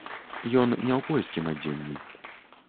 Ён не ў польскім адзенні.